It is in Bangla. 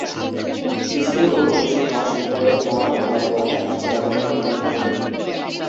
স্ত্রী ও পুরুষ হাঁস উভয়ের পা ও পায়ের পাতা কালচে-বাদামি বা কালো রঙের।